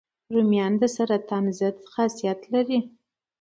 رومیان د سرطان ضد خاصیت لري